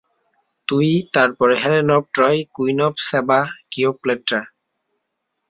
তুই, তারপর Helen of Troy, queen of Sheba, Cleopatra.